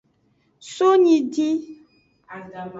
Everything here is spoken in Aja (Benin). So nyidin.